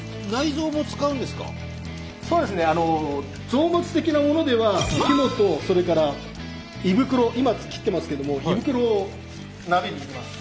臓物的なものでは肝とそれから胃袋今切ってますけど胃袋を鍋に入れます。